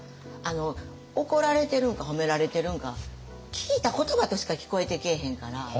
怒られてるんか褒められてるんか聞いた言葉としか聞こえてけえへんから。